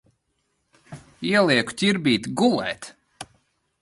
Ielieku Ķirbīti gulēt.